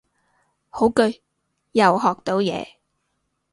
好句，又學到嘢